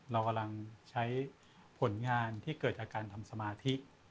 เรากำลังใช้ผลงานที่เกิดจากการทำสมาธิ